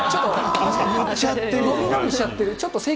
のびのびしちゃってる。